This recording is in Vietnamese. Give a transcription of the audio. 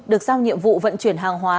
được giao nhiệm vụ vận chuyển hàng hóa